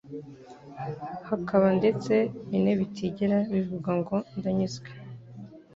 hakaba ndetse bine bitigera bivuga ngo «Ndanyuzwe»